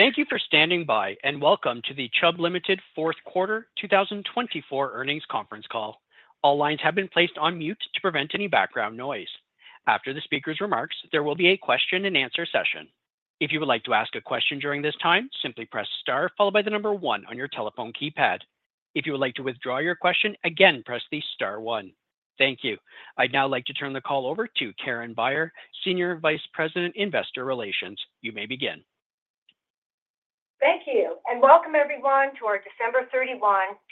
Thank you for standing by, and welcome to the Chubb Limited fourth quarter 2024 earnings conference call. All lines have been placed on mute to prevent any background noise. After the speaker's remarks, there will be a question-and-answer session. If you would like to ask a question during this time, simply press star followed by the number one on your telephone keypad. If you would like to withdraw your question, again press the star one. Thank you. I'd now like to turn the call over to Karen Beyer, Senior Vice President, Investor Relations. You may begin. Thank you, and welcome everyone to our December 31,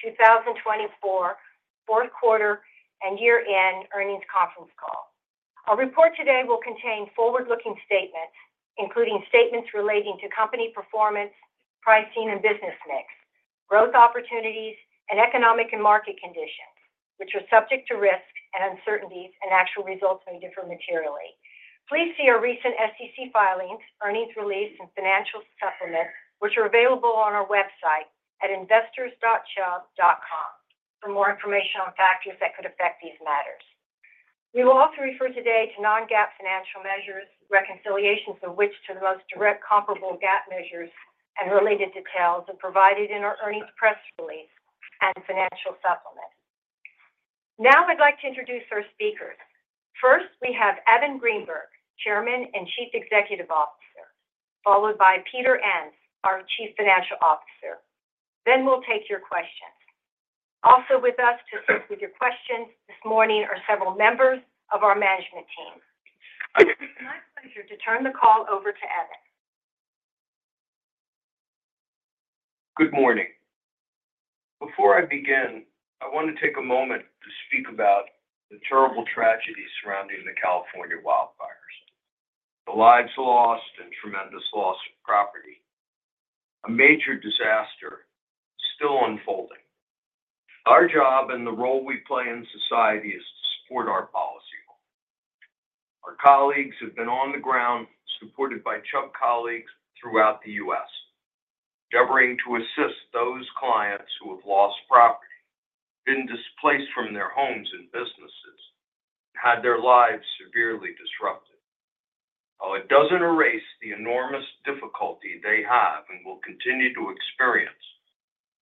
2024, fourth quarter and year-end earnings conference call. Our report today will contain forward-looking statements, including statements relating to company performance, pricing, and business mix, growth opportunities, and economic and market conditions, which are subject to risks and uncertainties, and actual results may differ materially. Please see our recent SEC filings, earnings release, and financial supplement, which are available on our website at investors.chubb.com for more information on factors that could affect these matters. We will also refer today to non-GAAP financial measures, reconciliations of which to the most direct comparable GAAP measures and related details are provided in our earnings press release and financial supplement. Now I'd like to introduce our speakers. First, we have Evan Greenberg, Chairman and Chief Executive Officer, followed by Peter Enns, our Chief Financial Officer. Then we'll take your questions. Also with us to assist with your questions this morning are several members of our management team. It is my pleasure to turn the call over to Evan. Good morning. Before I begin, I want to take a moment to speak about the terrible tragedy surrounding the California wildfires, the lives lost, and tremendous loss of property. A major disaster still unfolding. Our job and the role we play in society is to support our policyholders. Our colleagues have been on the ground, supported by Chubb colleagues throughout the U.S., working to assist those clients who have lost property, been displaced from their homes and businesses, and had their lives severely disrupted. While it doesn't erase the enormous difficulty they have and will continue to experience,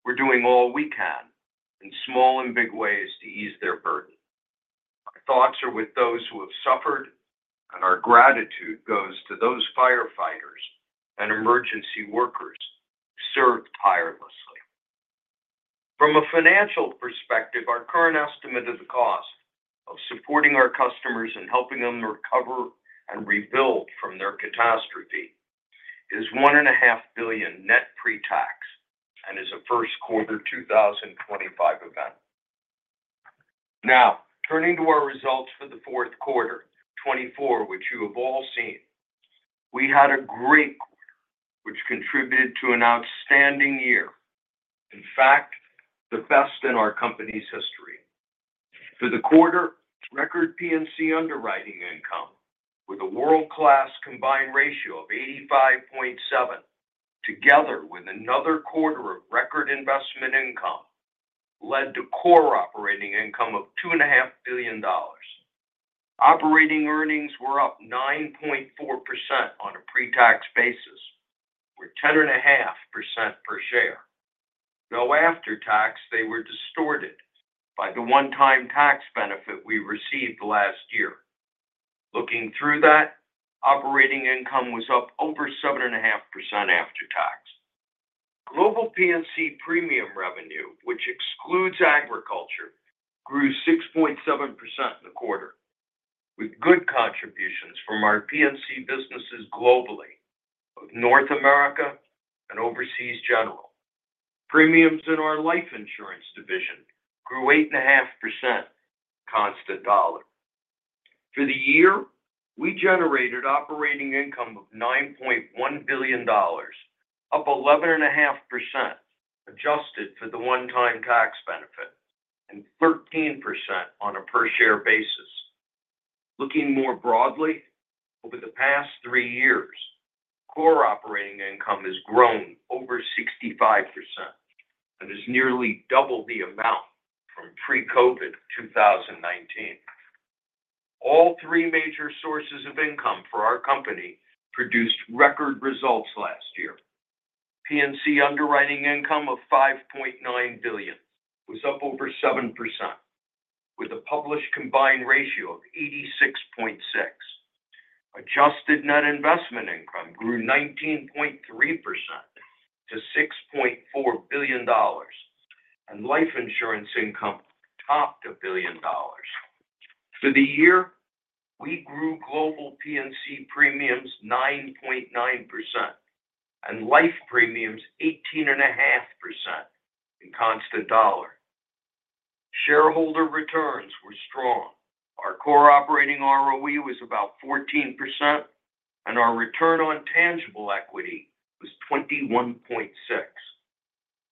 we're doing all we can in small and big ways to ease their burden. Our thoughts are with those who have suffered, and our gratitude goes to those firefighters and emergency workers who served tirelessly. From a financial perspective, our current estimate of the cost of supporting our customers and helping them recover and rebuild from their catastrophe is $1.5 billion net pre-tax and is a first quarter 2025 event. Now, turning to our results for the fourth quarter 2024, which you have all seen, we had a great quarter, which contributed to an outstanding year. In fact, the best in our company's history. For the quarter, record P&C underwriting income, with a world-class combined ratio of 85.7%, together with another quarter of record investment income, led to core operating income of $2.5 billion. Operating earnings were up 9.4% on a pre-tax basis, with 10.5% per share. Though after-tax, they were distorted by the one-time tax benefit we received last year. Looking through that, operating income was up over 7.5% after-tax. Global P&C premium revenue, which excludes agriculture, grew 6.7% in the quarter, with good contributions from our P&C businesses globally of North America and Overseas General. Premiums in our life insurance division grew 8.5% constant dollar. For the year, we generated operating income of $9.1 billion, up 11.5% adjusted for the one-time tax benefit, and 13% on a per-share basis. Looking more broadly, over the past three years, core operating income has grown over 65% and is nearly double the amount from pre-COVID 2019. All three major sources of income for our company produced record results last year. P&C underwriting income of $5.9 billion was up over 7%, with a published combined ratio of 86.6. Adjusted net investment income grew 19.3% to $6.4 billion, and life insurance income topped $1 billion. For the year, we grew global P&C premiums 9.9% and life premiums 18.5% in constant dollar. Shareholder returns were strong. Our core operating ROE was about 14%, and our return on tangible equity was 21.6%.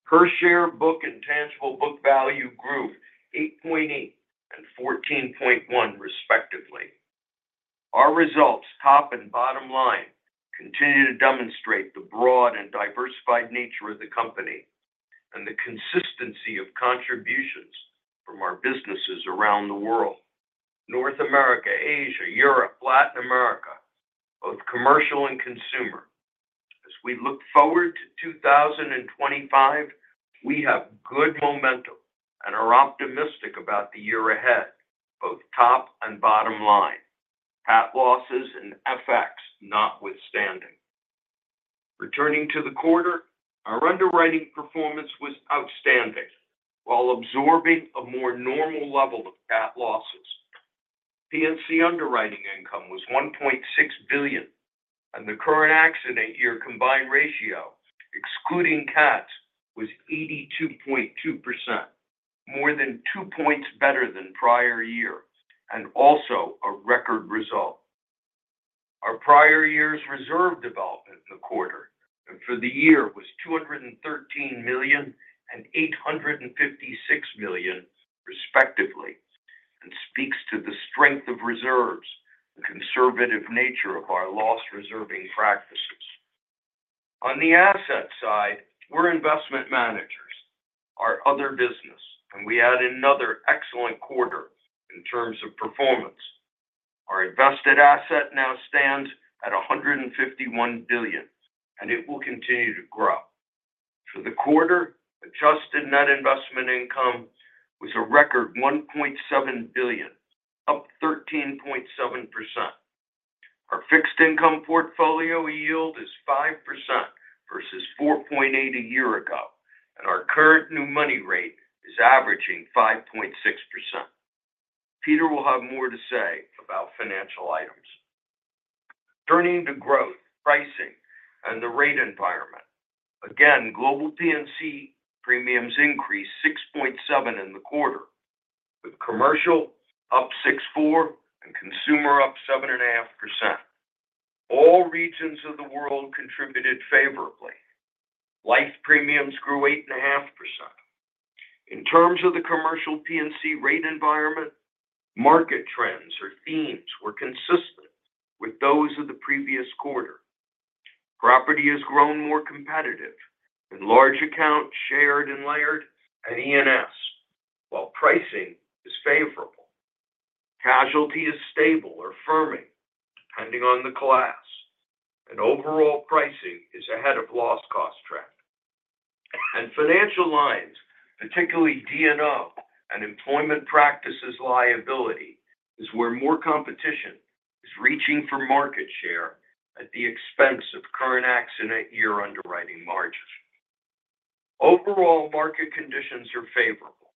Per-share book and tangible book value grew 8.8% and 14.1%, respectively. Our results, top and bottom line, continue to demonstrate the broad and diversified nature of the company and the consistency of contributions from our businesses around the world: North America, Asia, Europe, Latin America, both commercial and consumer. As we look forward to 2025, we have good momentum and are optimistic about the year ahead, both top and bottom line. Cat losses and FX notwithstanding. Returning to the quarter, our underwriting performance was outstanding while absorbing a more normal level of cat losses. P&C underwriting income was $1.6 billion, and the current accident year combined ratio, excluding cats, was 82.2%, more than two points better than prior year and also a record result. Our prior year's reserve development in the quarter and for the year was $213 million and $856 million, respectively, and speaks to the strength of reserves and conservative nature of our loss reserving practices. On the asset side, we're investment managers, our other business, and we had another excellent quarter in terms of performance. Our invested asset now stands at $151 billion, and it will continue to grow. For the quarter, adjusted net investment income was a record $1.7 billion, up 13.7%. Our fixed income portfolio yield is 5% versus 4.8% a year ago, and our current new money rate is averaging 5.6%. Peter will have more to say about financial items. Turning to growth, pricing, and the rate environment. Again, global P&C premiums increased 6.7% in the quarter, with commercial up 6.4% and consumer up 7.5%. All regions of the world contributed favorably. Life premiums grew 8.5%. In terms of the commercial P&C rate environment, market trends or themes were consistent with those of the previous quarter. Property has grown more competitive in large accounts, shared, and layered at E&S, while pricing is favorable. Casualty is stable or firming, depending on the class, and overall pricing is ahead of loss cost trend, and financial lines, particularly D&O and employment practices liability, is where more competition is reaching for market share at the expense of current accident year underwriting margins. Overall, market conditions are favorable,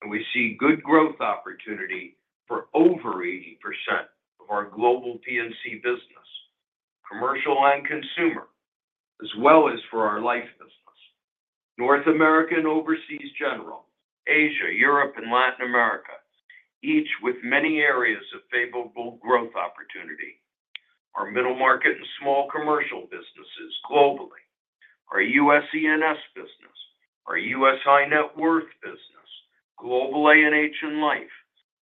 and we see good growth opportunity for over 80% of our global P&C business, commercial and consumer, as well as for our life business. North America and Overseas General, Asia, Europe, and Latin America, each with many areas of favorable growth opportunity. Our Middle Market and small commercial businesses globally, our U.S. E&S business, our U.S. high net worth business, global A&H and life,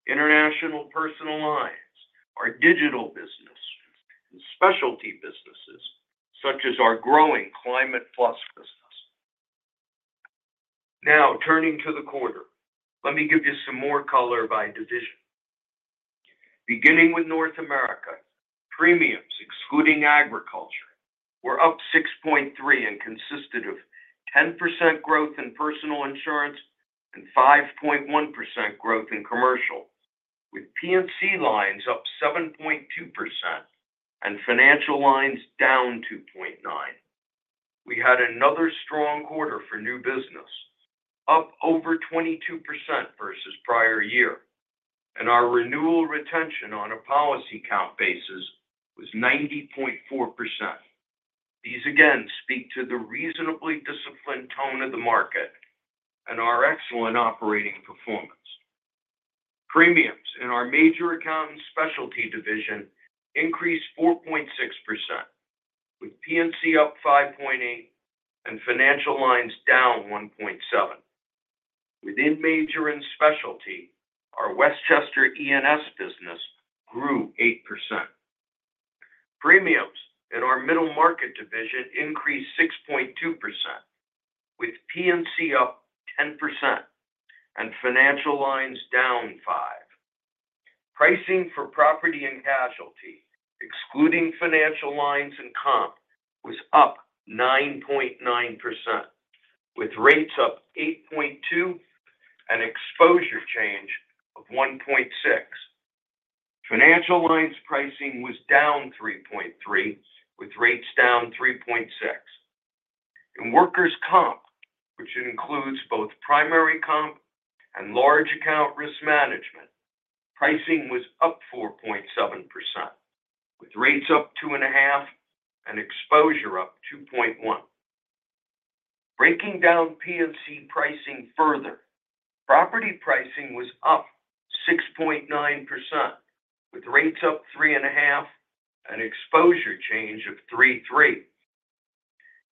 international personal lines, our digital business, and specialty businesses such as our growing Climate+ business. Now, turning to the quarter, let me give you some more color by division. Beginning with North America, premiums excluding agriculture were up 6.3% and consisted of 10% growth in personal insurance and 5.1% growth in commercial, with P&C lines up 7.2% and financial lines down 2.9%. We had another strong quarter for new business, up over 22% versus prior year, and our renewal retention on a policy count basis was 90.4%. These again speak to the reasonably disciplined tone of the market and our excellent operating performance. Premiums in our Major Accounts and Specialty division increased 4.6%, with P&C up 5.8% and financial lines down 1.7%. Within major and specialty, our Westchester E&S business grew 8%. Premiums in our Middle Market division increased 6.2%, with P&C up 10% and financial lines down 5%. Pricing for property and casualty, excluding financial lines and comp, was up 9.9%, with rates up 8.2 and exposure change of 1.6. Financial lines pricing was down 3.3, with rates down 3.6. In workers' comp, which includes both primary comp and large account risk management, pricing was up 4.7%, with rates up 2.5 and exposure up 2.1. Breaking down P&C pricing further, property pricing was up 6.9%, with rates up 3.5 and exposure change of 3.3.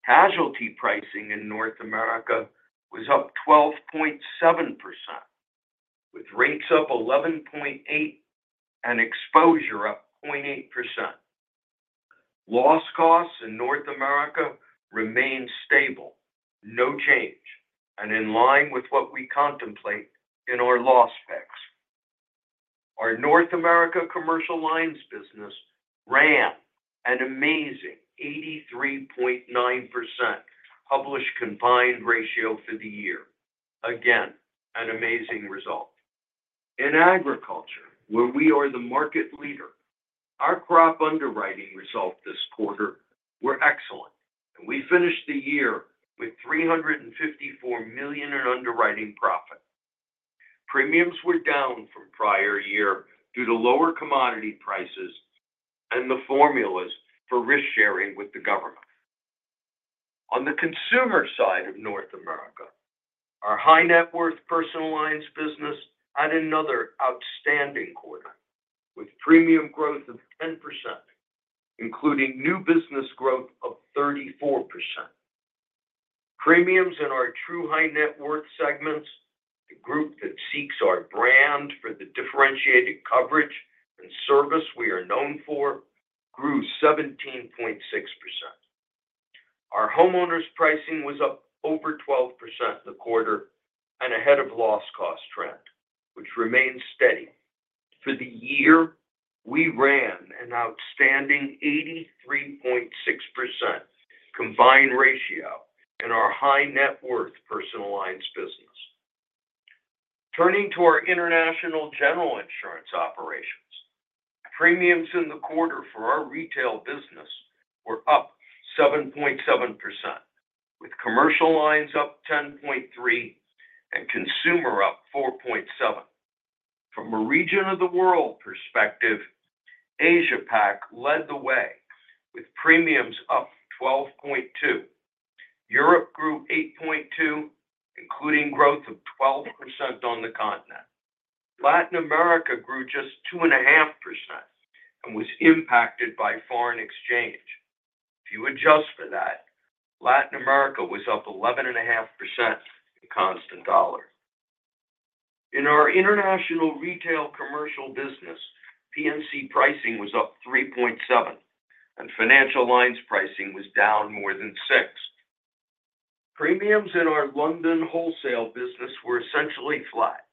Casualty pricing in North America was up 12.7%, with rates up 11.8 and exposure up 0.8%. Loss costs in North America remained stable, no change, and in line with what we contemplate in our loss pick. Our North America commercial lines business ran an amazing 83.9% published combined ratio for the year. Again, an amazing result. In agriculture, where we are the market leader, our crop underwriting result this quarter was excellent, and we finished the year with $354 million in underwriting profit. Premiums were down from prior year due to lower commodity prices and the formulas for risk sharing with the government. On the consumer side of North America, our high net worth personal lines business had another outstanding quarter, with premium growth of 10%, including new business growth of 34%. Premiums in our true high net worth segments, the group that seeks our brand for the differentiated coverage and service we are known for, grew 17.6%. Our homeowners' pricing was up over 12% in the quarter and ahead of loss cost trend, which remained steady. For the year, we ran an outstanding 83.6% combined ratio in our high net worth personal lines business. Turning to our international general insurance operations, premiums in the quarter for our retail business were up 7.7%, with commercial lines up 10.3% and consumer up 4.7%. From a region of the world perspective, Asia-Pac led the way with premiums up 12.2%. Europe grew 8.2%, including growth of 12% on the continent. Latin America grew just 2.5% and was impacted by foreign exchange. If you adjust for that, Latin America was up 11.5% in constant dollar. In our international retail commercial business, P&C pricing was up 3.7%, and financial lines pricing was down more than 6%. Premiums in our London wholesale business were essentially flat.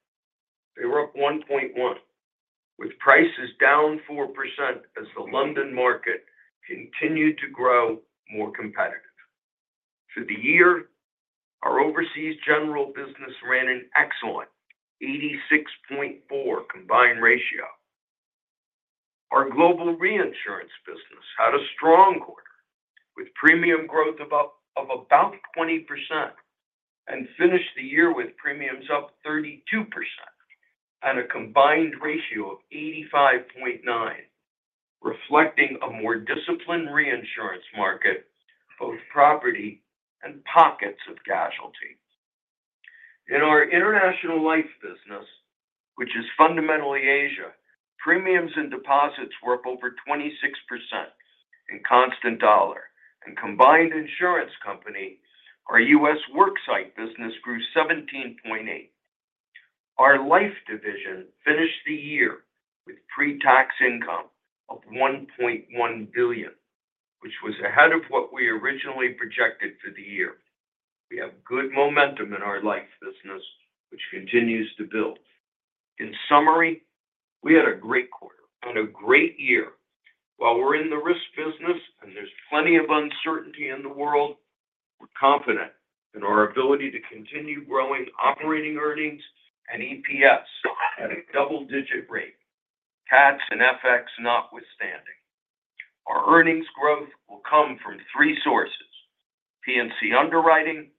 They were up 1.1%, with prices down 4% as the London market continued to grow more competitive. For the year, our Overseas General business ran an excellent 86.4 combined ratio. Our global reinsurance business had a strong quarter with premium growth of about 20% and finished the year with premiums up 32% and a combined ratio of 85.9, reflecting a more disciplined reinsurance market, both property and pockets of casualty. In our international life business, which is fundamentally Asia, premiums and deposits were up over 26% in constant dollar, and Combined Insurance Company, our U.S. worksite business grew 17.8%. Our life division finished the year with pre-tax income of $1.1 billion, which was ahead of what we originally projected for the year. We have good momentum in our life business, which continues to build. In summary, we had a great quarter and a great year. While we're in the risk business and there's plenty of uncertainty in the world, we're confident in our ability to continue growing operating earnings and EPS at a double-digit rate, cats and FX notwithstanding. Our earnings growth will come from three sources: P&C underwriting,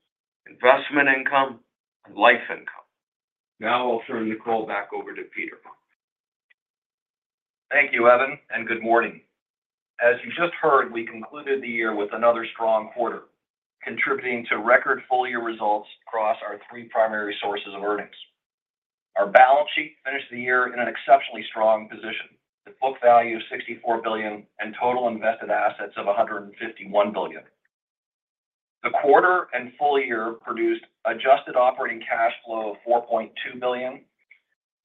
investment income, and life income. Now I'll turn the call back over to Peter. Thank you, Evan, and good morning. As you just heard, we concluded the year with another strong quarter, contributing to record full year results across our three primary sources of earnings. Our balance sheet finished the year in an exceptionally strong position, the book value of $64 billion and total invested assets of $151 billion. The quarter and full year produced adjusted operating cash flow of $4.2 billion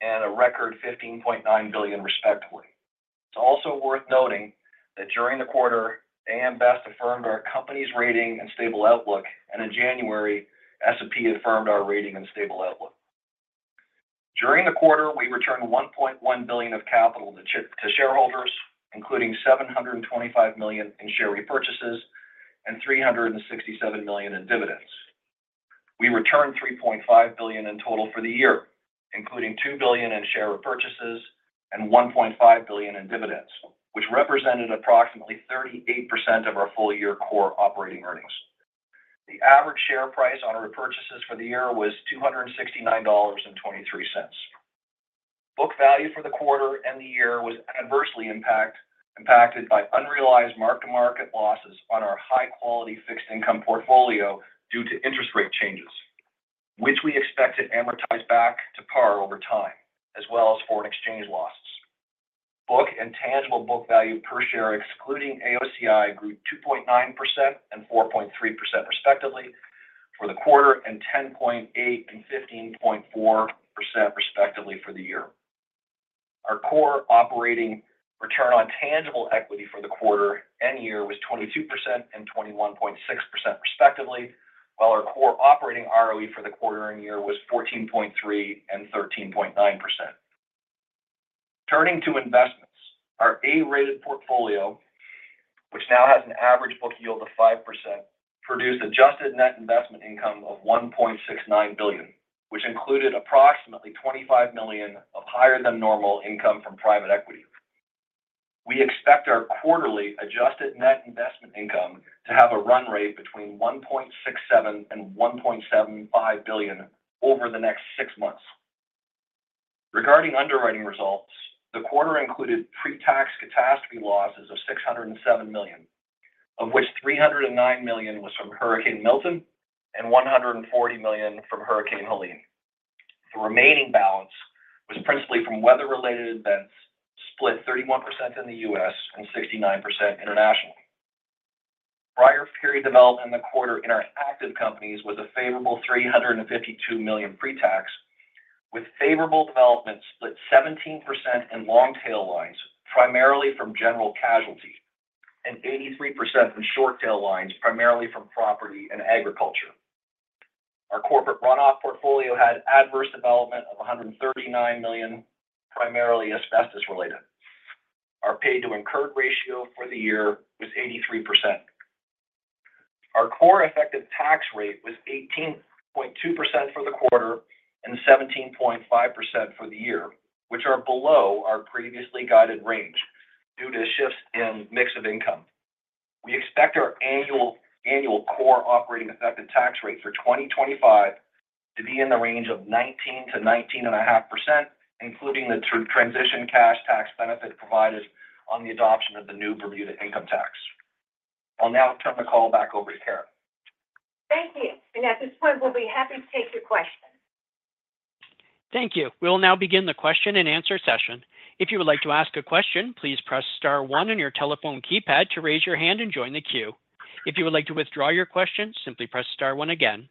and a record $15.9 billion, respectively. It's also worth noting that during the quarter, AM Best affirmed our company's rating and stable outlook, and in January, S&P affirmed our rating and stable outlook. During the quarter, we returned $1.1 billion of capital to shareholders, including $725 million in share repurchases and $367 million in dividends. We returned $3.5 billion in total for the year, including $2 billion in share repurchases and $1.5 billion in dividends, which represented approximately 38% of our full year core operating earnings. The average share price on our repurchases for the year was $269.23. Book value for the quarter and the year was adversely impacted by unrealized mark-to-market losses on our high-quality fixed income portfolio due to interest rate changes, which we expect to amortize back to par over time, as well as foreign exchange losses. Book and tangible book value per share, excluding AOCI, grew 2.9% and 4.3%, respectively, for the quarter and 10.8% and 15.4%, respectively, for the year. Our core operating return on tangible equity for the quarter and year was 22% and 21.6%, respectively, while our core operating ROE for the quarter and year was 14.3% and 13.9%. Turning to investments, our A-rated portfolio, which now has an average book yield of 5%, produced adjusted net investment income of $1.69 billion, which included approximately $25 million of higher-than-normal income from private equity. We expect our quarterly adjusted net investment income to have a run rate between $1.67 and $1.75 billion over the next six months. Regarding underwriting results, the quarter included pre-tax catastrophe losses of $607 million, of which $309 million was from Hurricane Milton and $140 million from Hurricane Helene. The remaining balance was principally from weather-related events, split 31% in the U.S. and 69% internationally. Prior period development in the quarter in our active companies was a favorable $352 million pre-tax, with favorable development split 17% in long tail lines, primarily from general casualty, and 83% in short tail lines, primarily from property and agriculture. Our corporate run-off portfolio had adverse development of $139 million, primarily asbestos-related. Our pay-to-incurred ratio for the year was 83%. Our core effective tax rate was 18.2% for the quarter and 17.5% for the year, which are below our previously guided range due to shifts in mix of income. We expect our annual core operating effective tax rate for 2025 to be in the range of 19% to 19.5%, including the transition cash tax benefit provided on the adoption of the new Bermuda income tax. I'll now turn the call back over to Karen. Thank you. And at this point, we'll be happy to take your questions. Thank you. We'll now begin the question and answer session. If you would like to ask a question, please press star 1 on your telephone keypad to raise your hand and join the queue. If you would like to withdraw your question, simply press star one again.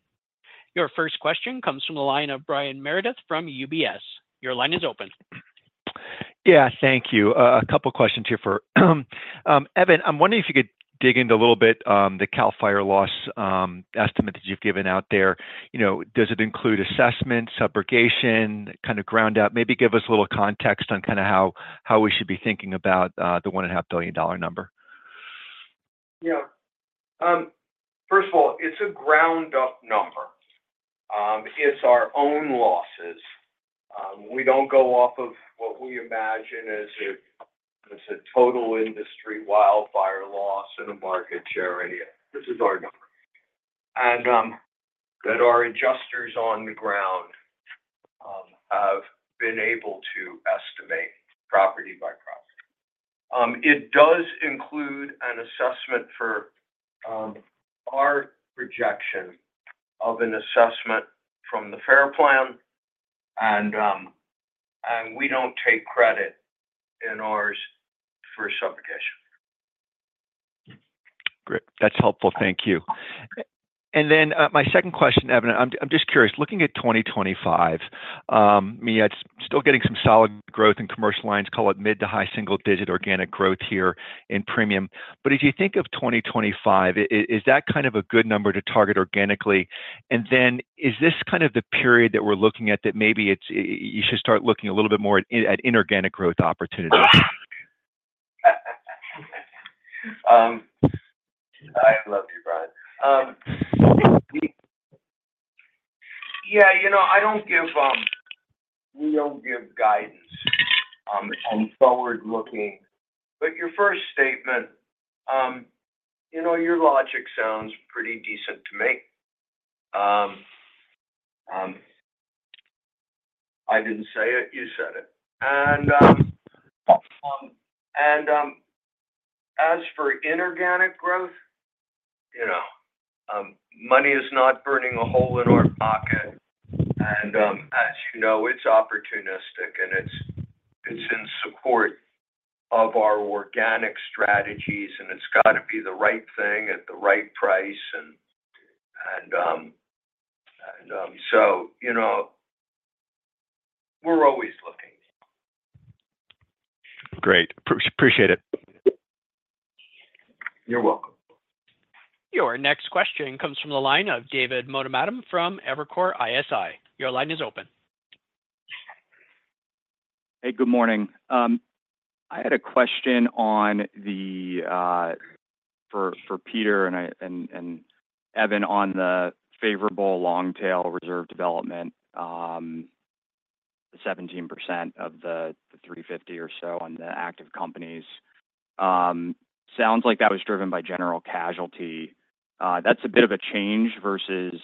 Your first question comes from the line of Brian Meredith from UBS. Your line is open. Yeah, thank you. A couple of questions here for Evan. I'm wondering if you could dig into a little bit the Cal Fire loss estimate that you've given out there. Does it include assessment, subrogation, kind of ground up? Maybe give us a little context on kind of how we should be thinking about the $1.5 billion number. Yeah. First of all, it's a ground-up number. It's our own losses. We don't go off of what we imagine as a total industry wildfire loss and a market share any of it. This is our number. And our adjusters on the ground have been able to estimate property by property. It does include an assessment for our projection of an assessment from the FAIR Plan, and we don't take credit in ours for subrogation. Great. That's helpful. Thank you. And then my second question, Evan, I'm just curious. Looking at 2025, I mean, it's still getting some solid growth in commercial lines, call it mid to high single-digit organic growth here in premium. But if you think of 2025, is that kind of a good number to target organically? And then is this kind of the period that we're looking at that maybe you should start looking a little bit more at inorganic growth opportunities? I love you, Brian. Yeah. You know we don't give guidance on forward-looking. But your first statement, your logic sounds pretty decent to me. I didn't say it. You said it. And as for inorganic growth, money is not burning a hole in our pocket. And as you know, it's opportunistic, and it's in support of our organic strategies, and it's got to be the right thing at the right price. And so we're always looking. Great. Appreciate it. You're welcome. Your next question comes from the line of David Motemaden from Evercore ISI. Your line is open. Hey, good morning. I had a question for Peter and Evan on the favorable long-tail reserve development, the 17% of the 350 or so on the active companies. Sounds like that was driven by general casualty. That's a bit of a change versus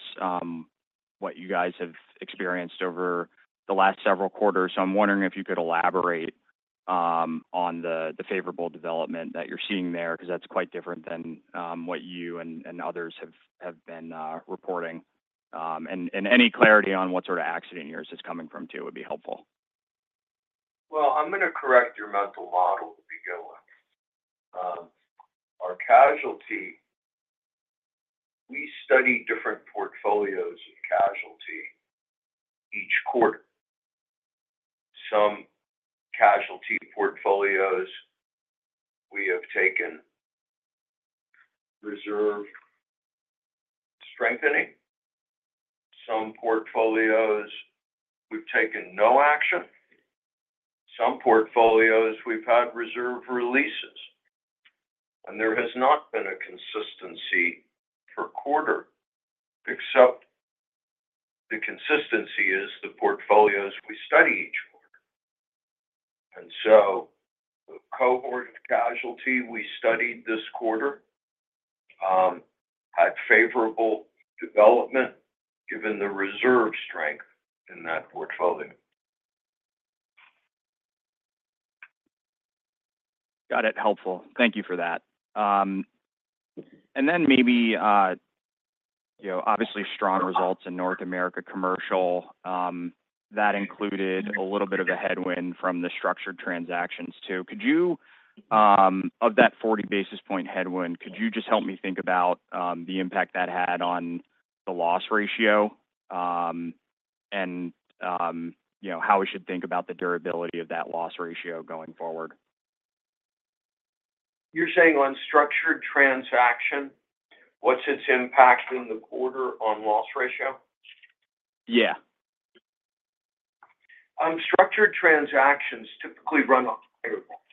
what you guys have experienced over the last several quarters. So I'm wondering if you could elaborate on the favorable development that you're seeing there because that's quite different than what you and others have been reporting. Any clarity on what sort of A&H is coming from too would be helpful. Well, I'm going to correct your mental model to be going. Our casualty, we study different portfolios of casualty each quarter. Some casualty portfolios we have taken reserve strengthening. Some portfolios we've taken no action. Some portfolios we've had reserve releases. And there has not been a consistency per quarter, except the consistency is the portfolios we study each quarter. And so the cohort of casualty we studied this quarter had favorable development given the reserve strength in that portfolio. Got it. Helpful. Thank you for that. And then maybe, obviously, strong results in North America commercial. That included a little bit of a headwind from the structured transactions too. Of that 40 basis points headwind, could you just help me think about the impact that had on the loss ratio and how we should think about the durability of that loss ratio going forward? You're saying on structured transaction, what's its impact in the quarter on loss ratio? Yeah. Structured transactions typically run a higher loss.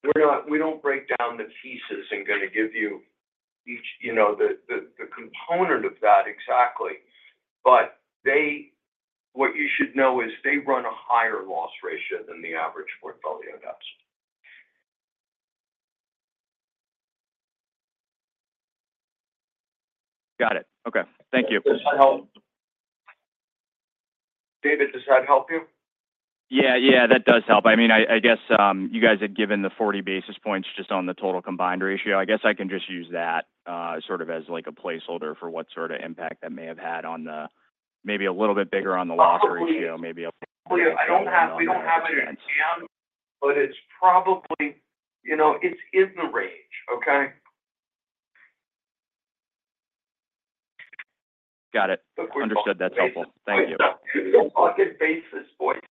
Now, we don't break down the pieces and going to give you the component of that exactly. But what you should know is they run a higher loss ratio than the average portfolio does. Got it. Okay. Thank you. David, does that help you? Yeah. Yeah. That does help. I mean, I guess you guys had given the 40 basis points just on the total combined ratio. I guess I can just use that sort of as a placeholder for what sort of impact that may have had on the maybe a little bit bigger on the loss ratio, maybe a little bit less. We don't have an exact, but it's probably it's in the range, okay? Got it. Understood. That's helpful. Thank you. It's a couple basis points,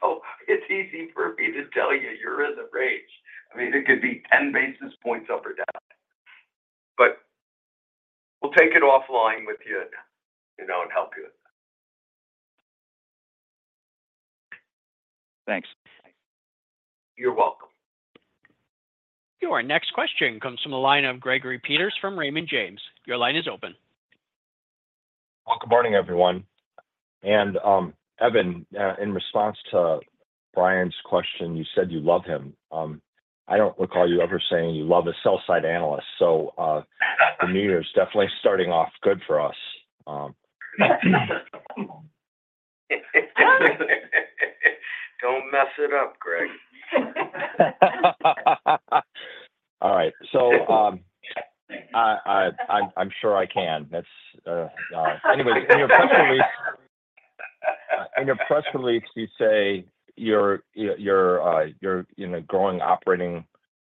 so it's easy for me to tell you you're in the range. I mean, it could be 10 basis points up or down. But we'll take it offline with you and help you with that. Thanks. You're welcome. Your next question comes from the line of Gregory Peters from Raymond James. Your line is open. Well, good morning, everyone. And Evan, in response to Brian's question, you said you love him. I don't recall you ever saying you love a sell-side analyst. So the new year is definitely starting off good for us. Don't mess it up, Greg. All right. So I'm sure I can. Anyways, in your press release, you say you're growing operating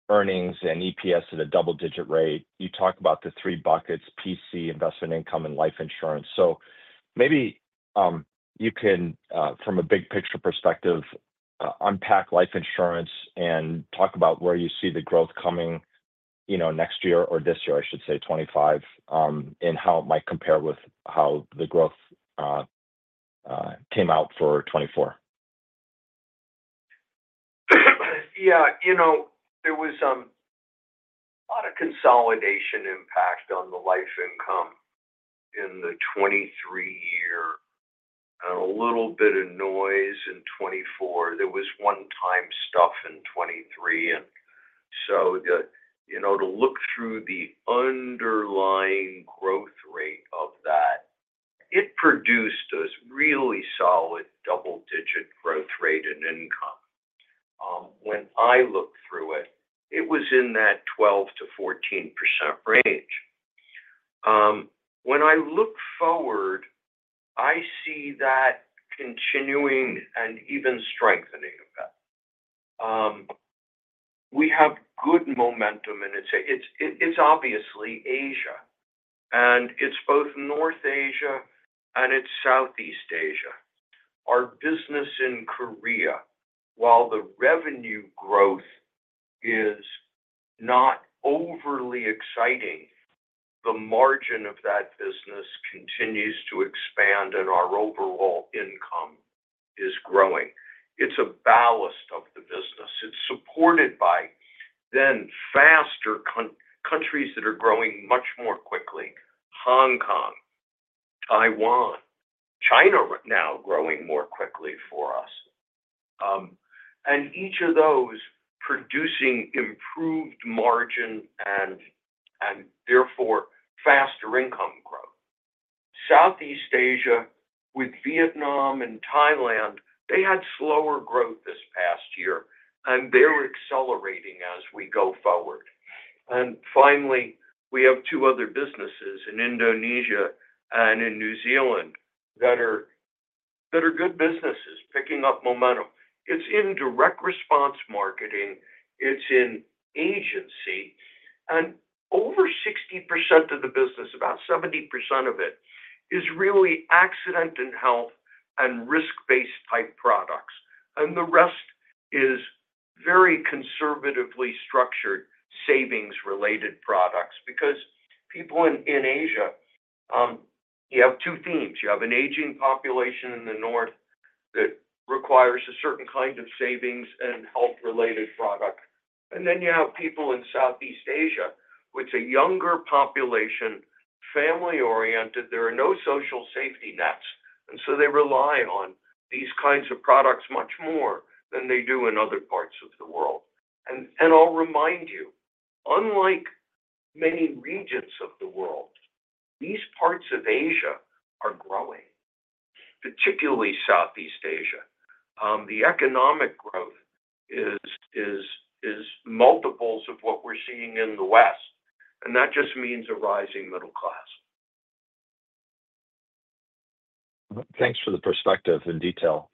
earnings and EPS at a double-digit rate. You talk about the three buckets, P&C, investment income, and life insurance. So maybe you can, from a big-picture perspective, unpack life insurance and talk about where you see the growth coming next year or this year, I should say 2025, and how it might compare with how the growth came out for 2024. Yeah. There was a lot of consolidation impact on the life income in the 2023 year and a little bit of noise in 2024. There was one-time stuff in 2023. And so to look through the underlying growth rate of that, it produced a really solid double-digit growth rate in income. When I looked through it, it was in that 12%-14% range. When I look forward, I see that continuing and even strengthening of that. We have good momentum in it. It's obviously Asia, and it's both North Asia and it's Southeast Asia. Our business in Korea, while the revenue growth is not overly exciting, the margin of that business continues to expand, and our overall income is growing. It's a ballast of the business. It's supported by then faster countries that are growing much more quickly: Hong Kong, Taiwan, China now growing more quickly for us, and each of those producing improved margin and therefore faster income growth. Southeast Asia with Vietnam and Thailand, they had slower growth this past year, and they're accelerating as we go forward, and finally, we have two other businesses in Indonesia and in New Zealand that are good businesses picking up momentum. It's in direct response marketing. It's in agency, and over 60% of the business, about 70% of it, is really accident and health and risk-based type products. And the rest is very conservatively structured savings-related products because people in Asia, you have two themes. You have an aging population in the north that requires a certain kind of savings and health-related product, and then you have people in Southeast Asia, which is a younger population, family-oriented. There are no social safety nets, and so they rely on these kinds of products much more than they do in other parts of the world. And I'll remind you, unlike many regions of the world, these parts of Asia are growing, particularly Southeast Asia. The economic growth is multiples of what we're seeing in the West, and that just means a rising middle class. Thanks for the perspective in detail.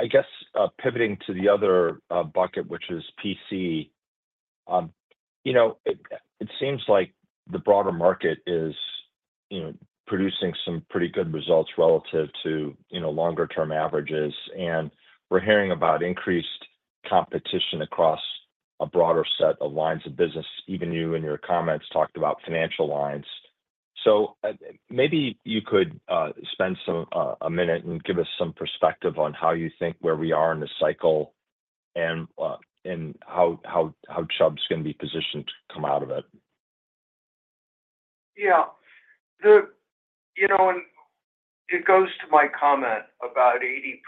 I guess pivoting to the other bucket, which is PC, it seems like the broader market is producing some pretty good results relative to longer-term averages. And we're hearing about increased competition across a broader set of lines of business. Even you in your comments talked about financial lines. So maybe you could spend a minute and give us some perspective on how you think where we are in the cycle and how Chubb's going to be positioned to come out of it. Yeah, and it goes to my comment about 80%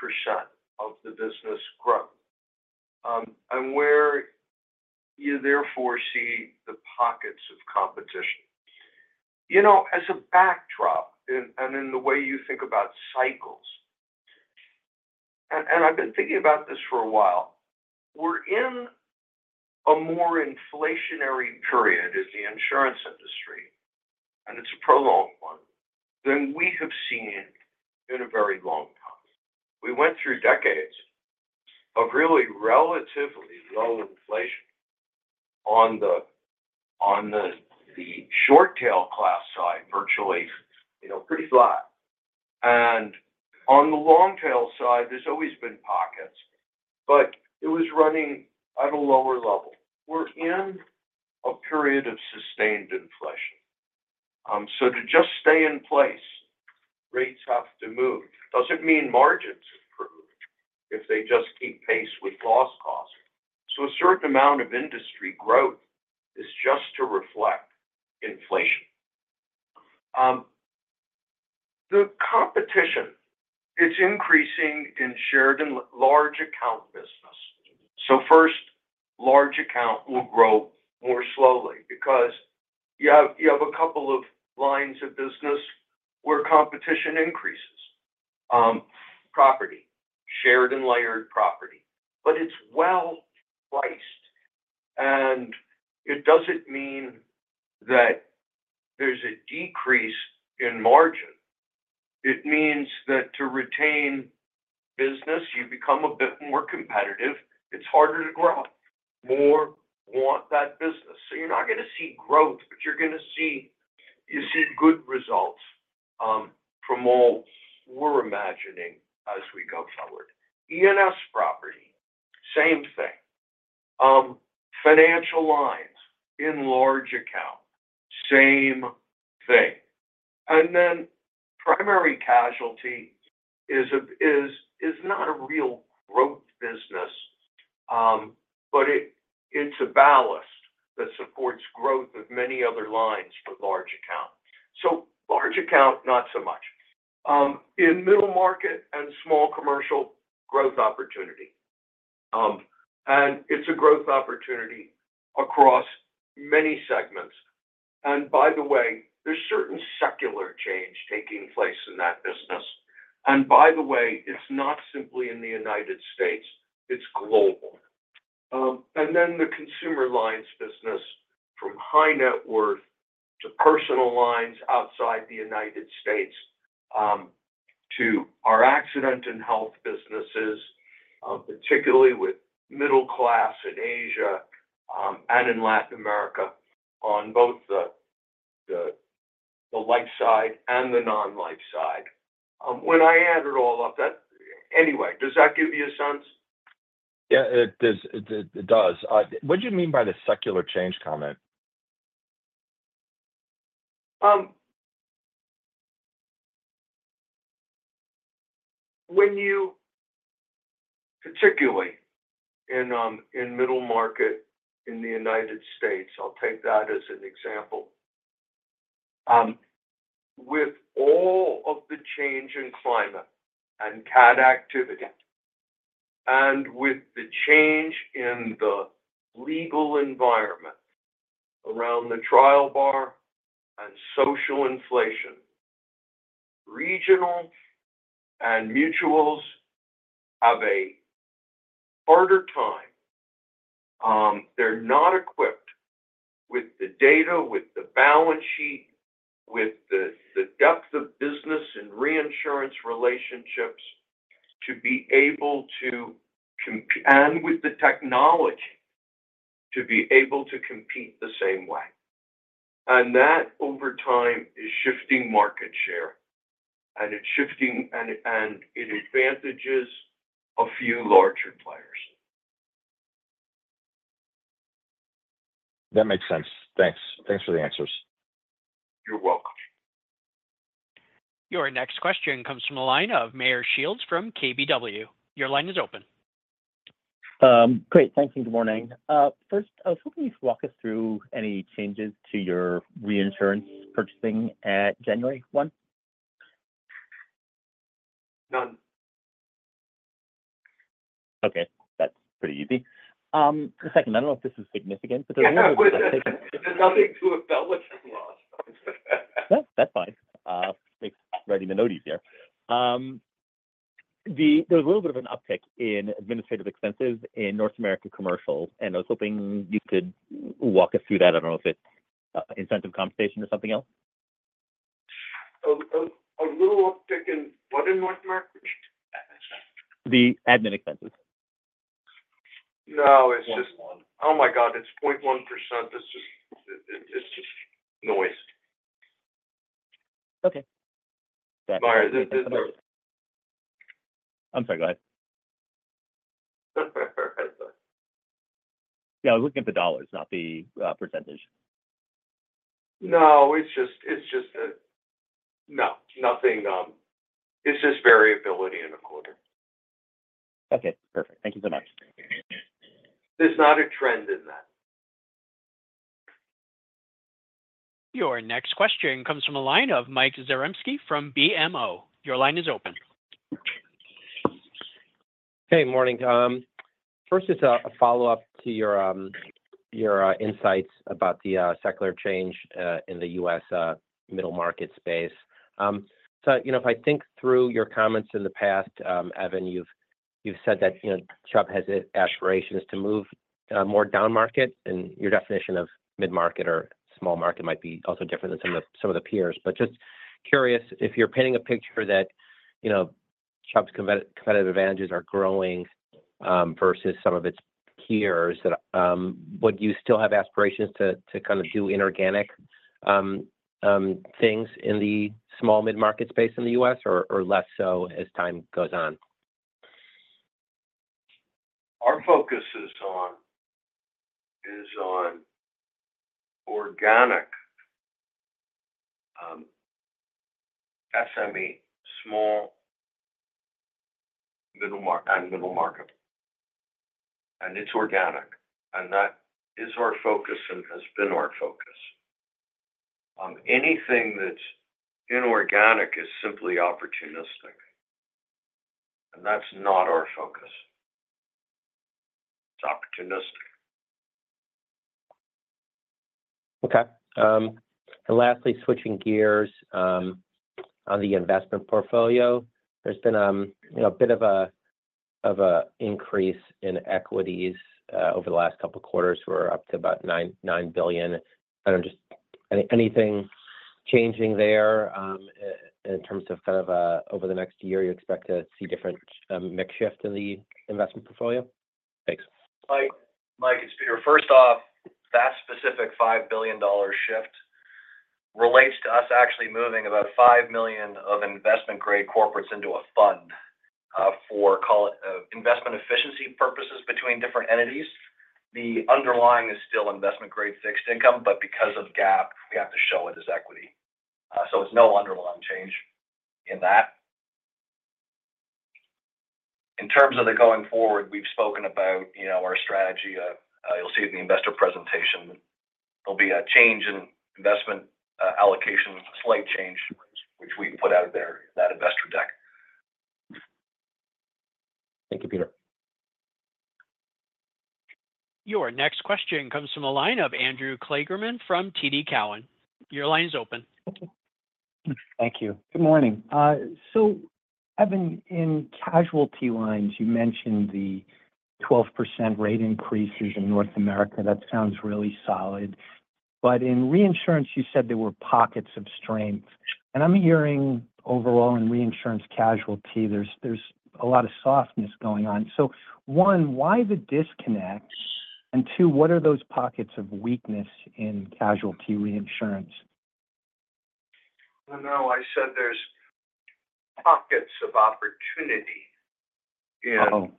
of the business growth and where you therefore see the pockets of competition. As a backdrop and in the way you think about cycles, and I've been thinking about this for a while, we're in a more inflationary period, as the insurance industry, and it's a prolonged one, than we have seen in a very long time. We went through decades of really relatively low inflation on the short-tail class side, virtually pretty flat, and on the long-tail side, there's always been pockets, but it was running at a lower level. We're in a period of sustained inflation, so to just stay in place, rates have to move. Doesn't mean margins improve if they just keep pace with loss costs, so a certain amount of industry growth is just to reflect inflation. The competition, it's increasing in shared and large account business, so first, large account will grow more slowly because you have a couple of lines of business where competition increases: property, shared and layered property. But it's well priced, and it doesn't mean that there's a decrease in margin. It means that to retain business, you become a bit more competitive. It's harder to grow. More want that business. So you're not going to see growth, but you're going to see good results from all we're imagining as we go forward. E&S property, same thing. Financial lines in large account, same thing. And then primary casualty is not a real growth business, but it's a ballast that supports growth of many other lines for large account. So large account, not so much. In Middle Market and small commercial, growth opportunity. And it's a growth opportunity across many segments. And by the way, there's certain secular change taking place in that business. And by the way, it's not simply in the United States. It's global. And then the consumer lines business, from high net worth to personal lines outside the United States to our accident and health businesses, particularly with middle class in Asia and in Latin America on both the life side and the non-life side. When I add it all up, anyway, does that give you a sense? Yeah, it does. What do you mean by the secular change comment? Particularly in Middle Market in the United States, I'll take that as an example. With all of the change in climate and cat activity and with the change in the legal environment around the trial bar and social inflation, regional and mutuals have a harder time. They're not equipped with the data, with the balance sheet, with the depth of business and reinsurance relationships to be able to compete and with the technology to be able to compete the same way. And that, over time, is shifting market share, and it's shifting, and it advantages a few larger players. That makes sense. Thanks. Thanks for the answers. You're welcome. Your next question comes from the line of Meyer Shields from KBW. Your line is open. Great. Thank you. Good morning. First, I was hoping you could walk us through any changes to your reinsurance purchasing at January 1? None. Okay. That's pretty easy. Second, I don't know if this is significant, but there's a little bit of an uptick. There's nothing to have felt much in the last time. That's fine. Makes writing the note easier. There was a little bit of an uptick in administrative expenses in North America commercial, and I was hoping you could walk us through that. I don't know if it's incentive compensation or something else. A little uptick in what in North America? The admin expenses. No, it's just. Oh my God, it's 0.1%. It's just noise. Okay. I'm sorry. Go ahead. Yeah. I was looking at the dollars, not the percentage. No, it's just. No. It's just variability in a quarter. Okay. Perfect. Thank you so much. There's not a trend in that. Your next question comes from the line of Mike Zaremski from BMO. Your line is open. Hey, morning. First, it's a follow-up to your insights about the secular change in the U.S. Middle Market space. So if I think through your comments in the past, Evan, you've said that Chubb has aspirations to move more down market, and your definition of mid-market or small market might be also different than some of the peers. But just curious if you're painting a picture that Chubb's competitive advantages are growing versus some of its peers, would you still have aspirations to kind of do inorganic things in the small mid-market space in the U.S. or less so as time goes on? Our focus is on organic SME, small and Middle Market. And it's organic. And that is our focus and has been our focus. Anything that's inorganic is simply opportunistic, and that's not our focus. It's opportunistic. Okay. And lastly, switching gears on the investment portfolio, there's been a bit of an increase in equities over the last couple of quarters. We're up to about $9 billion. And just anything changing there in terms of kind of over the next year, you expect to see different mix shifts in the investment portfolio? Thanks. Mike, it's Peter. First off, that specific $5 billion shift relates to us actually moving about $5 billion of investment-grade corporates into a fund for investment efficiency purposes between different entities. The underlying is still investment-grade fixed income, but because of GAAP, we have to show it as equity. So it's no underlying change in that. In terms of going forward, we've spoken about our strategy. You'll see it in the investor presentation. There'll be a change in investment allocation, a slight change, which we put out there, that investor deck. Thank you, Peter. Your next question comes from the line of Andrew Kligerman from TD Cowen. Your line is open. Thank you. Good morning. So Evan, in casualty lines, you mentioned the 12% rate increases in North America. That sounds really solid. But in reinsurance, you said there were pockets of strength. And I'm hearing overall in reinsurance casualty, there's a lot of softness going on. So one, why the disconnect? And two, what are those pockets of weakness in casualty reinsurance? No, I said there's pockets of opportunity in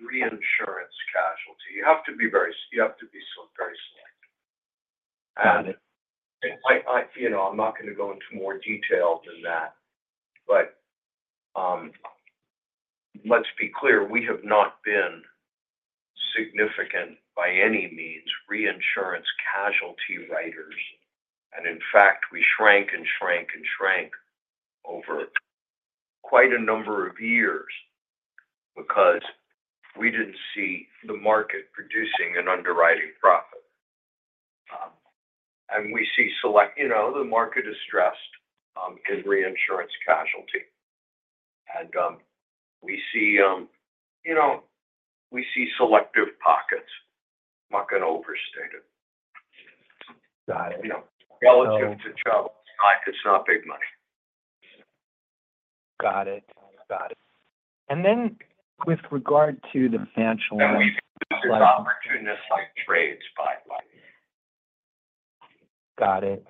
reinsurance casualty. You have to be very selective. And I'm not going to go into more detail than that. But let's be clear, we have not been significant by any means reinsurance casualty writers. In fact, we shrank and shrank and shrank over quite a number of years because we didn't see the market producing an underwriting profit. We see the market is stressed in reinsurance casualty. We see selective pockets. I'm not going to overstate it. Relative to Chubb, it's not big money. Got it. Got it. With regard to the financial lines, There's opportunistic trades, by the way. Got it.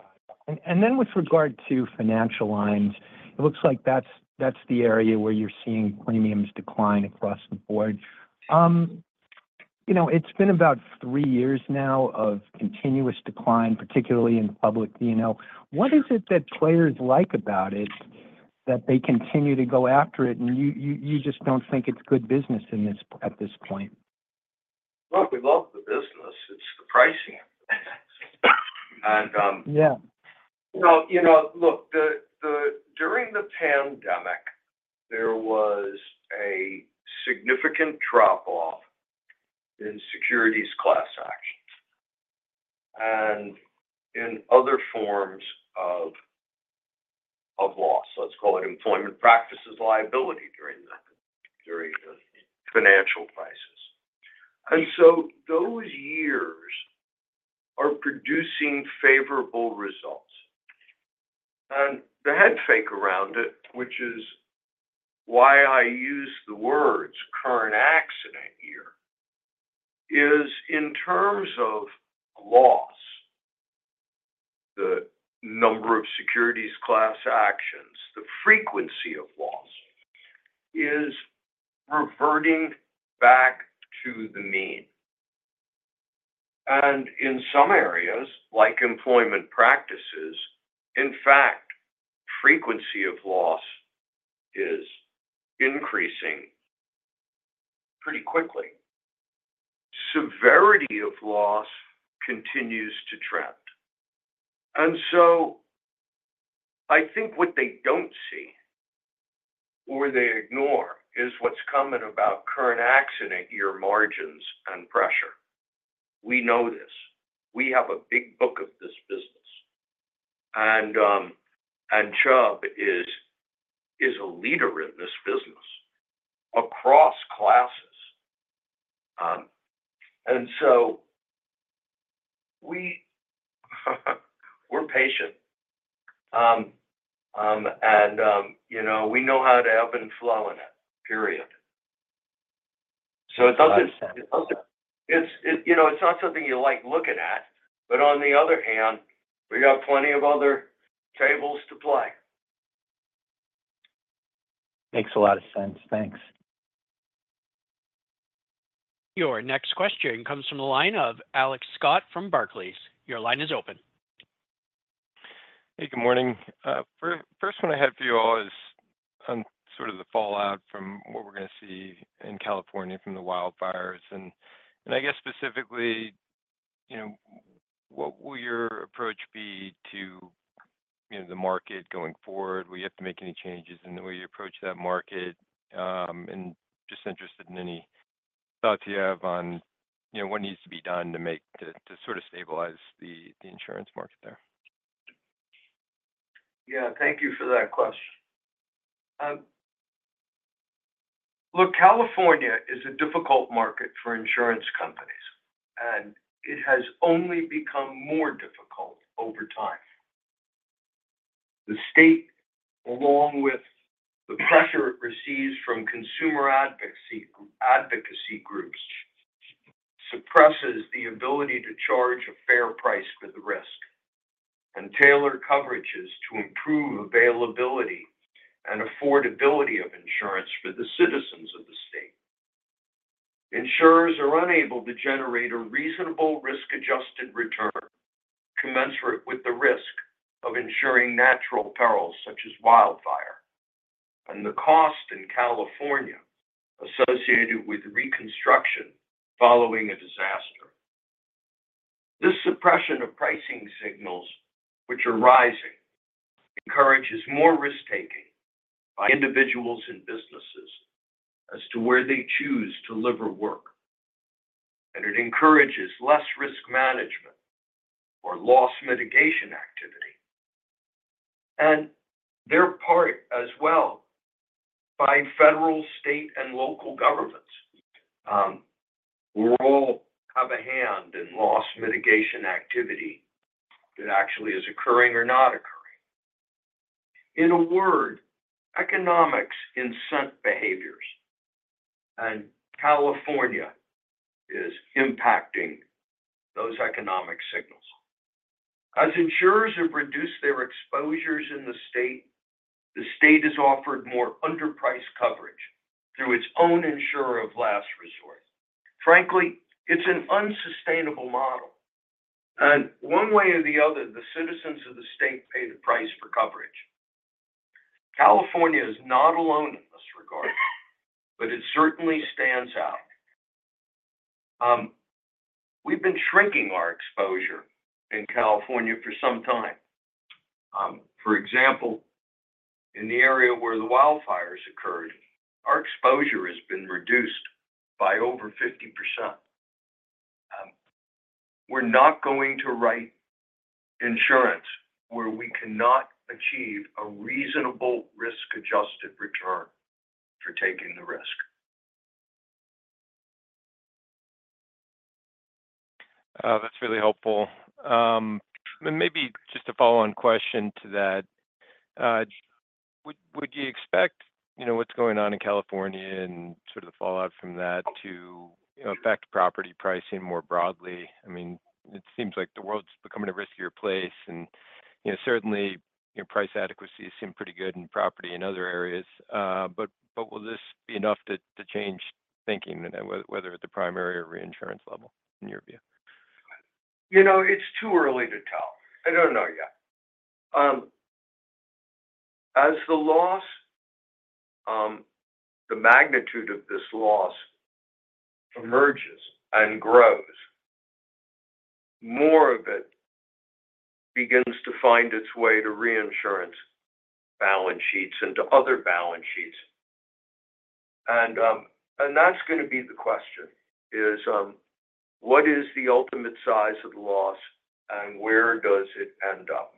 With regard to financial lines, it looks like that's the area where you're seeing premiums decline across the board. It's been about three years now of continuous decline, particularly in public. What is it that players like about it that they continue to go after it, and you just don't think it's good business at this point? Look, we love the business. It's the pricing. Look, during the pandemic, there was a significant drop-off in securities class actions and in other forms of loss. Let's call it employment practices liability during the financial crisis. And so those years are producing favorable results. The head fake around it, which is why I use the words current accident year, is in terms of loss, the number of securities class actions, the frequency of loss is reverting back to the mean. And in some areas, like employment practices, in fact, frequency of loss is increasing pretty quickly. Severity of loss continues to trend. And so I think what they don't see or they ignore is what's coming about current accident year margins and pressure. We know this. We have a big book of this business. And Chubb is a leader in this business across classes. And so we're patient. And we know how to ebb and flow in it, period. So it's not something you like looking at. But on the other hand, we got plenty of other tables to play. Makes a lot of sense. Thanks. Your next question comes from the line of Alex Scott from Barclays. Your line is open. Hey, good morning. First, what I have for you all is sort of the fallout from what we're going to see in California from the wildfires. And I guess specifically, what will your approach be to the market going forward? Will you have to make any changes in the way you approach that market? And just interested in any thoughts you have on what needs to be done to sort of stabilize the insurance market there. Yeah. Thank you for that question. Look, California is a difficult market for insurance companies, and it has only become more difficult over time. The state, along with the pressure it receives from consumer advocacy groups, suppresses the ability to charge a fair price for the risk and tailor coverages to improve availability and affordability of insurance for the citizens of the state. Insurers are unable to generate a reasonable risk-adjusted return commensurate with the risk of insuring natural perils such as wildfire and the cost in California associated with reconstruction following a disaster. This suppression of pricing signals, which are rising, encourages more risk-taking by individuals and businesses as to where they choose to live or work, and it encourages less risk management or loss mitigation activity on their part as well by federal, state, and local governments. We'll all have a hand in loss mitigation activity that actually is occurring or not occurring. In a word, economics incent behaviors. And California is impacting those economic signals. As insurers have reduced their exposures in the state, the state has offered more underpriced coverage through its own insurer of last resort. Frankly, it's an unsustainable model. And one way or the other, the citizens of the state pay the price for coverage. California is not alone in this regard, but it certainly stands out. We've been shrinking our exposure in California for some time. For example, in the area where the wildfires occurred, our exposure has been reduced by over 50%. We're not going to write insurance where we cannot achieve a reasonable risk-adjusted return for taking the risk. That's really helpful. And maybe just a follow-on question to that. Would you expect what's going on in California and sort of the fallout from that to affect property pricing more broadly? I mean, it seems like the world's becoming a riskier place, and certainly, price adequacy seemed pretty good in property and other areas, but will this be enough to change thinking, whether at the primary or reinsurance level, in your view? It's too early to tell. I don't know yet. As the magnitude of this loss emerges and grows, more of it begins to find its way to reinsurance balance sheets and to other balance sheets, and that's going to be the question: what is the ultimate size of the loss, and where does it end up?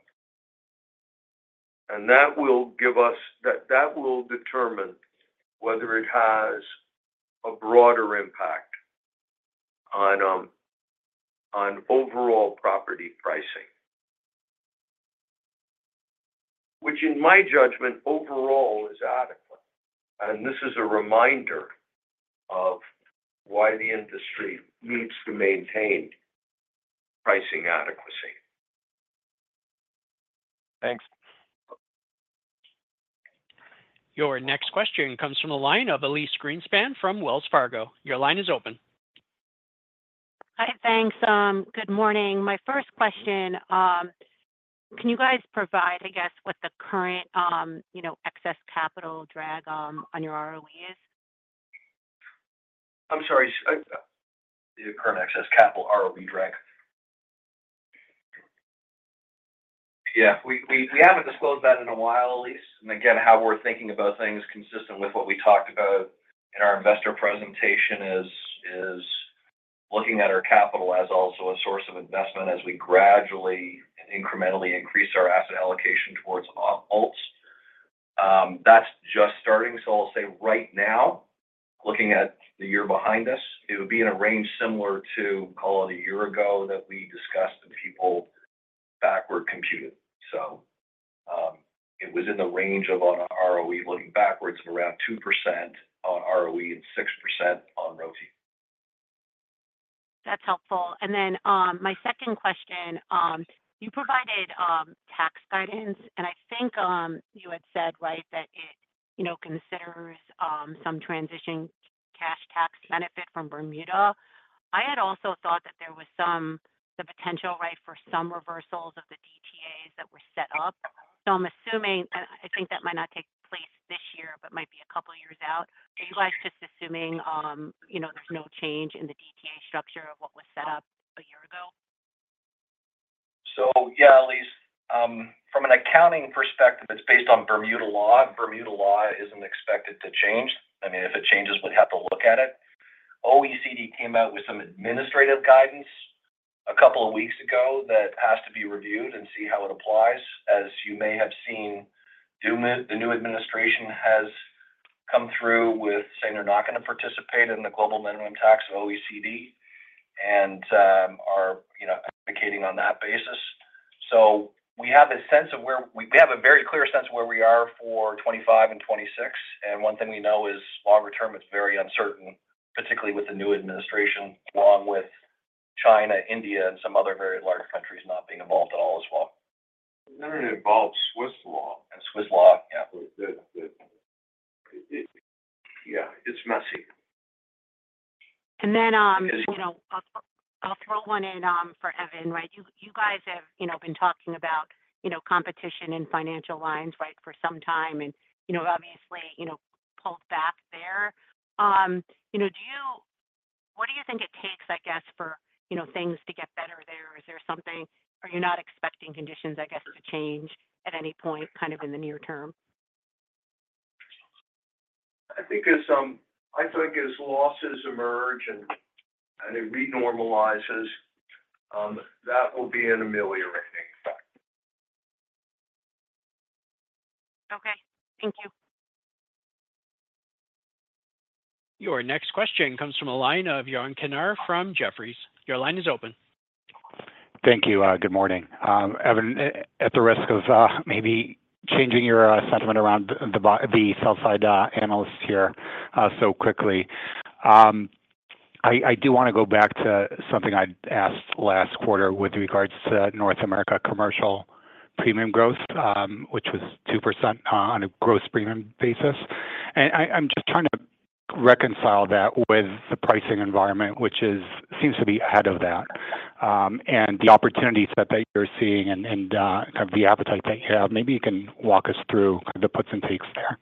And that will determine whether it has a broader impact on overall property pricing, which, in my judgment, overall is adequate, and this is a reminder of why the industry needs to maintain pricing adequacy. Thanks. Your next question comes from the line of Elyse Greenspan from Wells Fargo. Your line is open. Hi. Thanks. Good morning. My first question: can you guys provide, I guess, what the current excess capital drag on your ROE is? I'm sorry. The current excess capital ROE drag. Yeah. We haven't disclosed that in a while, Elise, and again, how we're thinking about things consistent with what we talked about in our investor presentation is looking at our capital as also a source of investment as we gradually and incrementally increase our asset allocation towards alts. That's just starting. I'll say right now, looking at the year behind us, it would be in a range similar to, call it a year ago that we discussed and people backward computed. So it was in the range of our ROE looking backwards of around 2% on ROE and 6% on ROTE. That's helpful. Then my second question: you provided tax guidance, and I think you had said, right, that it considers some transition cash tax benefit from Bermuda. I had also thought that there was the potential, right, for some reversals of the DTAs that were set up. I'm assuming, and I think that might not take place this year, but might be a couple of years out. Are you guys just assuming there's no change in the DTA structure of what was set up a year ago? Yeah, Elise, from an accounting perspective, it's based on Bermuda law. Bermuda law isn't expected to change. I mean, if it changes, we'd have to look at it. OECD came out with some administrative guidance a couple of weeks ago that has to be reviewed and see how it applies. As you may have seen, the new administration has come through with saying they're not going to participate in the global minimum tax of OECD and are advocating on that basis. So we have a very clear sense of where we are for 2025 and 2026. And one thing we know is longer term, it's very uncertain, particularly with the new administration, along with China, India, and some other very large countries not being involved at all as well. And then it involves Swiss law. And Swiss law, yeah. It's messy. And then I'll throw one in for Evan, right? You guys have been talking about competition in financial lines, right, for some time and obviously pulled back there. What do you think it takes, I guess, for things to get better there? Are you not expecting conditions, I guess, to change at any point kind of in the near term? I think as losses emerge and it renormalizes, that will be an ameliorating factor. Okay. Thank you. Your next question comes from Yaron Kinar from Jefferies. Your line is open. Thank you. Good morning. Evan, at the risk of maybe changing your sentiment around the sell-side analysts here so quickly, I do want to go back to something I'd asked last quarter with regards to North America commercial premium growth, which was 2% on a gross premium basis. And I'm just trying to reconcile that with the pricing environment, which seems to be ahead of that. And the opportunities that you're seeing and kind of the appetite that you have, maybe you can walk us through the puts and takes there.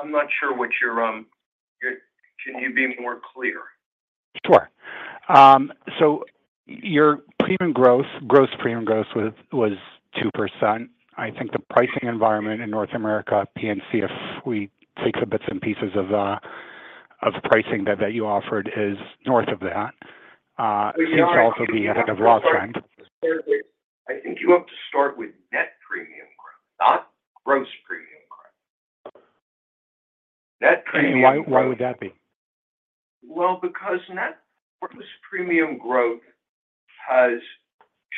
I'm not sure what you're. Can you be more clear? Sure. So, your gross premium growth was 2%. I think the pricing environment in North America, P&C, if we take the bits and pieces of pricing that you offered, is north of that. It seems to also be ahead of the loss trend. I think you have to start with net premium growth, not gross premium growth. Net premium growth. And why would that be? Well, because net gross premium growth has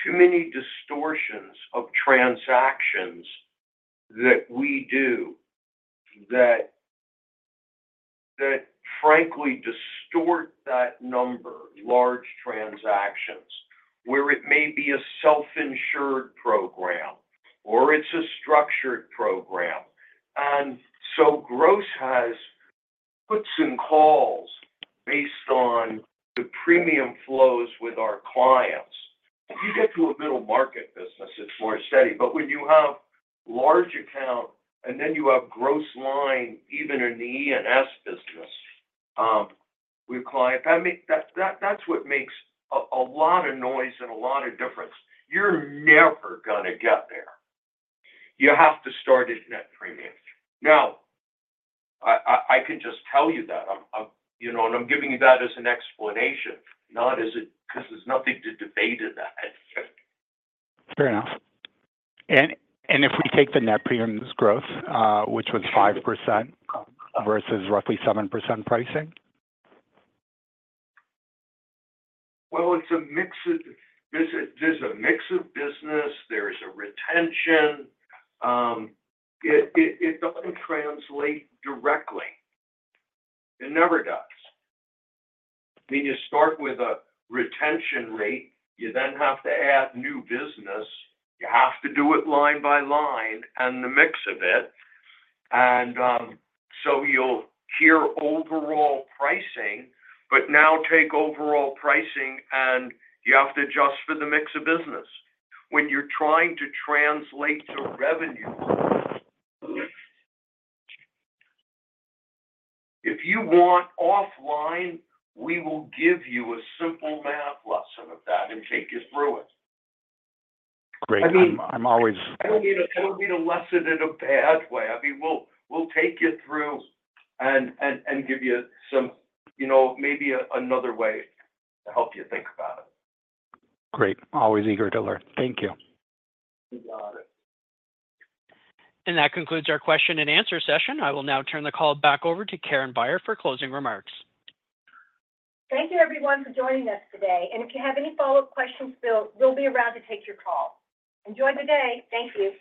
too many distortions of transactions that we do that, frankly, distort that number, large transactions, where it may be a self-insured program or it's a structured program. And so gross has puts and calls based on the premium flows with our clients. If you get to a Middle Market business, it's more steady. But when you have large account and then you have gross line, even in the E&S business with clients, that's what makes a lot of noise and a lot of difference. You're never going to get there. You have to start at net premium. Now, I can just tell you that. And I'm giving you that as an explanation, not because there's nothing to debate in that. Fair enough. And if we take the net premiums growth, which was 5% versus roughly 7% pricing? Well, there's a mix of business. There's a retention. It doesn't translate directly. It never does. I mean, you start with a retention rate. You then have to add new business. You have to do it line by line and the mix of it. And so you'll hear overall pricing, but now take overall pricing, and you have to adjust for the mix of business. When you're trying to translate to revenue, if you want offline, we will give you a simple math lesson of that and take you through it. Great. I mean, I don't mean to—I don't mean to lessen it in a bad way. I mean, we'll take you through and give you maybe another way to help you think about it. Great. Always eager to learn. Thank you. You got it. And that concludes our question and answer session. I will now turn the call back over to Karen Beyer for closing remarks. Thank you, everyone, for joining us today. And if you have any follow-up questions, we'll, we'll be around to take your call. Enjoy the day. Thank you.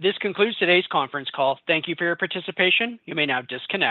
This concludes today's conference call. Thank you for your participation. You may now disconnect.